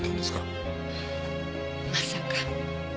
まさか。